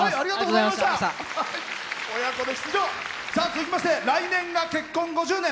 続きまして、来年が結婚５０年。